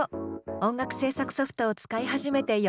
音楽制作ソフトを使い始めて４か月。